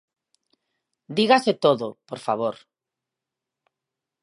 Dígase todo, por favor.